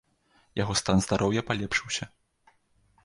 Яго стан здароўя палепшыўся.